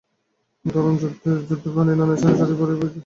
কারণ বুদ্ধের বাণী নানা স্থানে ছড়াইয়া পড়িয়া বহু বিচিত্র বর্ণে রঞ্জিত হইয়াছিল।